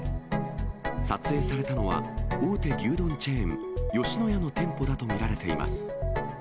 撮影されたのは、大手牛丼チェーン、吉野家の店舗だと見られています。